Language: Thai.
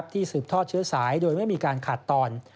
สืบทอดเชื้อสายโดยไม่มีการขาดตอน